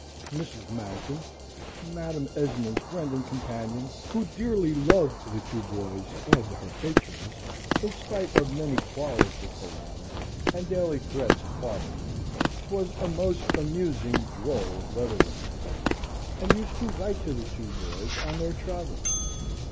Mrs. Mountain, Madam Esmond's friend and companion, who dearly loved the two boys and her patroness, in spite of many quarrels with the latter, and daily threats of parting, was a most amusing, droll letter writer, and used to write to the two boys on their travels.